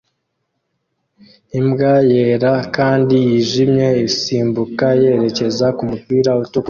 Imbwa yera kandi yijimye isimbuka yerekeza kumupira utukura